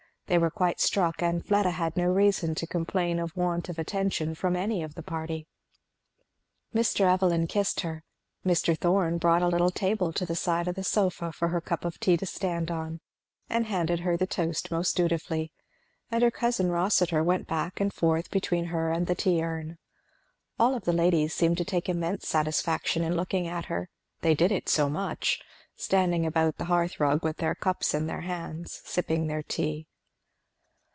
They were quite struck, and Fleda had no reason to complain of want of attention from any of the party. Mr. Evelyn kissed her. Mr. Thorn brought a little table to the side of the sofa for her cup of tea to stand on, and handed her the toast most dutifully; and her cousin Rossitur went back and forth between her and the tea urn. All of the ladies seemed to take immense satisfaction in looking at her, they did it so much; standing about the hearth rug with their cups in their hands, sipping their tea.